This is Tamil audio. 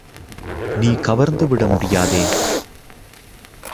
நீ கவர்ந்து விட முடியாதே?